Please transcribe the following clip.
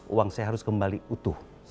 uang saya harus kembali utuh